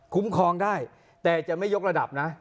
ครองได้แต่จะไม่ยกระดับนะ